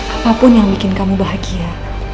apapun yang bikin kamu bahagia